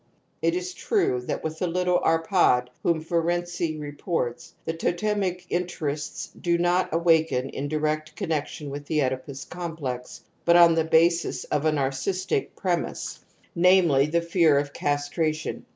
It is true that with the little Arpdd, whom Ferenczi reports, the totemic interests do not awaken in direct connexion with the Oedipus complex, but on the basis of a narcistic premise, namely, the fear of castration.